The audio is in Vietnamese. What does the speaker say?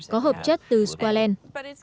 có hợp chất từ squalene